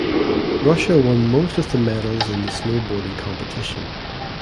Russia won most of the medals in the snowboarding competition.